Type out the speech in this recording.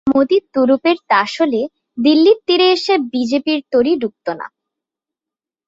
মোদি তুরুপের তাস হলে দিল্লির তীরে এসে বিজেপির তরি ডুবত না।